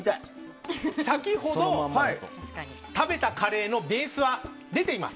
先ほど食べたカレーのベースは出ています。